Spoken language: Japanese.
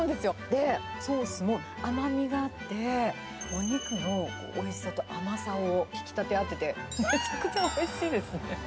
で、ソースも甘みがあって、お肉のおいしさと甘さを引き立て合ってて、めちゃくちゃおいしいですね。